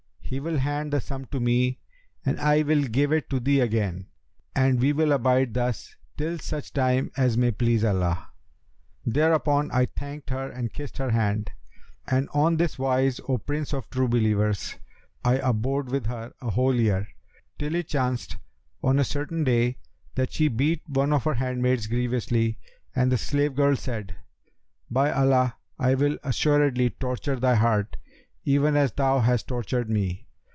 He will hand the sum to me, and I will give it to thee again, and we will abide thus till such time as may please Allah.' Thereupon I thanked her and kissed her hand; and on this wise, O Prince of True Believers, I abode with her a whole year, till it chanced on a certain day that she beat one of her handmaids grievously and the slave girl said, 'By Allah, I will assuredly torture thy heart, even as thou hast tortured me!'